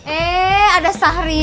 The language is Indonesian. eh ada sahrini